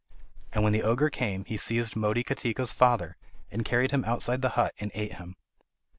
And when the ogre came, he seized Motikatika's father and carried him outside the hut and ate him.